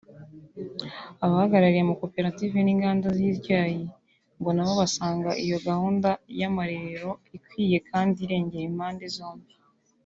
Abahagarariye amakoperative n’inganda z’icyayi ngo nabo basanga iyo gahunda y’amarerero ikwiye kandi irengera impande zombi